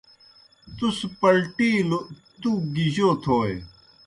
تُس پلٹِیلوْ تُوک گیْ جوْ تَھوئے؟